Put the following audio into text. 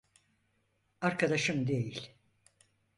Arkadaşım değil.